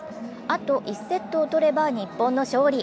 あと１セットを取れば日本の勝利。